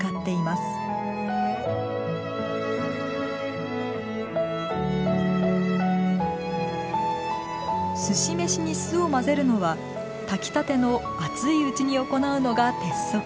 すし飯に酢を混ぜるのは炊きたての熱いうちに行うのが鉄則。